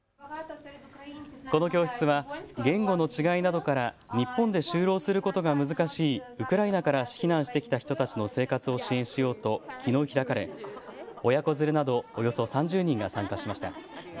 この教室は言語の違いなどから日本で就労することが難しいウクライナから避難してきた人たちの生活を支援しようときのう開かれ親子連れなどおよそ３０人が参加しました。